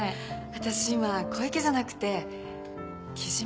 私今小池じゃなくて貴島。